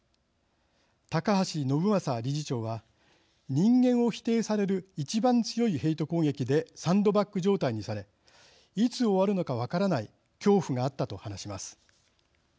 高橋伸昌理事長は人間を否定される一番強いヘイト攻撃でサンドバッグ状態にされいつ終わるのか分からない恐怖があったと話します。